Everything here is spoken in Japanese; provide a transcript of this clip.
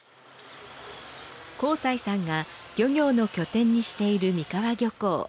幸才さんが漁業の拠点にしている美川漁港。